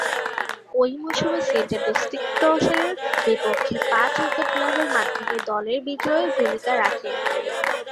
ঐ মৌসুমে সেন্ট্রাল ডিস্ট্রিক্টসের বিপক্ষে পাঁচ উইকেট লাভের মাধ্যমে দলের বিজয়ে ভূমিকা রাখেন।